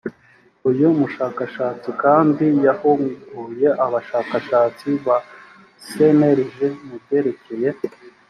uyu mushakashatsi kandi yahuguye abashakashatsi ba cnlg mu byerekeye